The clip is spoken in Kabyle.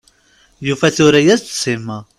Yufa tura-yas-d Sima.